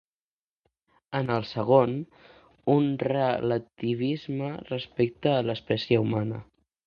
En el segon, un relativisme respecte de l'espècie humana.